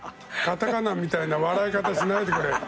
片仮名みたいな笑い方しないでくれよ。